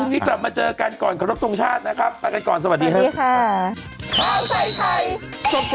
ค่ะคุณพี่กลับมาเจอกันก่อนขอรับตรงชาตินะครับปล่อยกันก่อนสวัสดีครับ